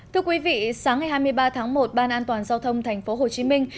thưa quý vị sáng ngày hai mươi ba tháng một ban an toàn giao thông thành phố hồ chí minh